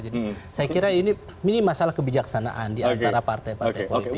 jadi saya kira ini masalah kebijaksanaan diantara partai partai politik